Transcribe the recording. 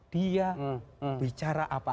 dia bicara apa